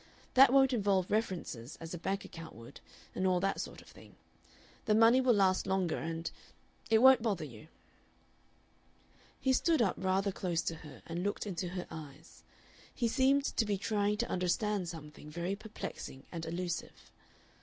That won't involve references, as a bank account would and all that sort of thing. The money will last longer, and it won't bother you." He stood up rather close to her and looked into her eyes. He seemed to be trying to understand something very perplexing and elusive.